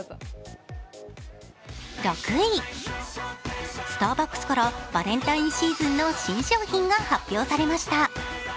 ６位、スターバックスからバレンタインシーズンの新商品が発表されました。